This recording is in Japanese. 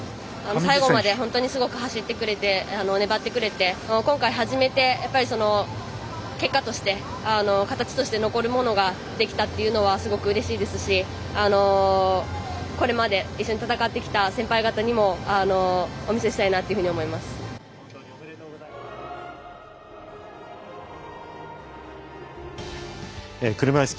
本当に最後まで走ってくれて粘ってくれて今回初めてやっぱり結果として形として残るものができたというのはすごくうれしいですしこれまで一緒に戦ってきた先輩方にもお見せしたいなというふうに思います。